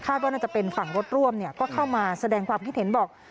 ว่าน่าจะเป็นฝั่งรถร่วมก็เข้ามาแสดงความคิดเห็นบอก